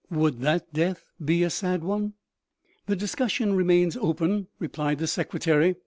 Would that death be a sad one ?"" The discussion remains open," replied the secretary.